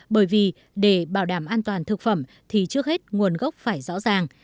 bởi vì để bảo đảm an toàn thực phẩm thì trước hết nguồn gốc phải rõ ràng